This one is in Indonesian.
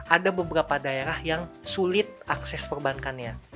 ada beberapa daerah yang sulit akses perbankannya